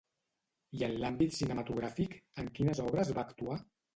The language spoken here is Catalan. I en l'àmbit cinematogràfic, en quines obres va actuar?